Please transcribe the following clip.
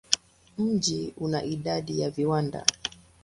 Mji ina idadi ya viwanda.